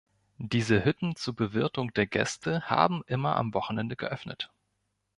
Diese Hütten zur Bewirtung der Gäste haben immer am Wochenende geöffnet.